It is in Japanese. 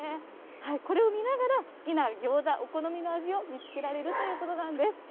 これを見ながら、好きなギョーザ、お好みの味を見つけられるということなんです。